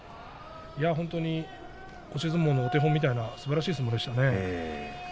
本当に押し相撲のお手本のようなすばらしい相撲でしたね。